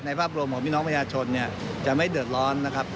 ภาพรวมของพี่น้องประชาชนเนี่ยจะไม่เดือดร้อนนะครับ